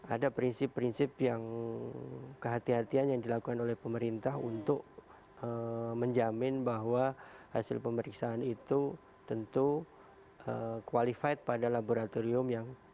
ada prinsip prinsip yang kehatian kehatian yang dilakukan oleh pemerintah untuk menjamin bahwa hasil pemeriksaan itu tentu qualified pada laboratorium yang